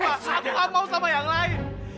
aku gak mau sama yang lain